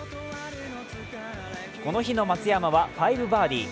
この日の松山は５バーディー。